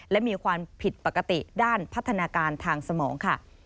และมีความผิดปกติด้านพัฒนาการทางสมองค่ะ